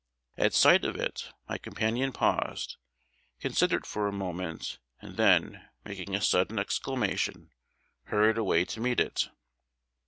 At sight of it my companion paused, considered for a moment, and then, making a sudden exclamation, hurried away to meet it.